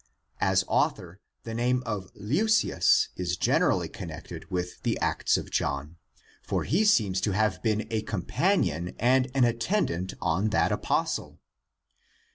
As author the name of Leucius is generally connected with the Acts of John, for he seems to have been a companion and an attendant on that apostle (comp.